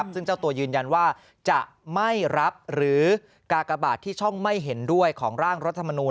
ซึ่งเจ้าตัวยืนยันว่าจะไม่รับหรือกากบาทที่ช่องไม่เห็นด้วยของร่างรัฐมนูล